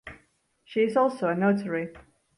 She is also a notary.